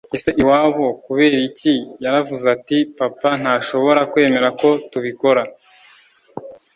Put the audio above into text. ese iwabo Kubera iki Yaravuze ati papa ntashobora kwemera ko tubikora